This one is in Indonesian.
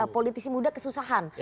politisi muda kesusahan